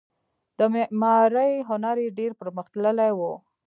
د معمارۍ هنر یې ډیر پرمختللی و